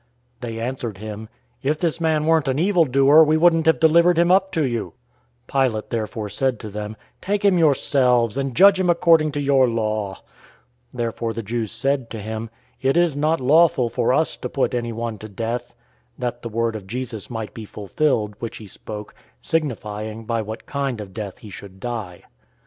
018:030 They answered him, "If this man weren't an evildoer, we wouldn't have delivered him up to you." 018:031 Pilate therefore said to them, "Take him yourselves, and judge him according to your law." Therefore the Jews said to him, "It is not lawful for us to put anyone to death," 018:032 that the word of Jesus might be fulfilled, which he spoke, signifying by what kind of death he should die.